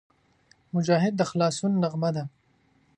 مجاهد د خلاصون نغمه ده.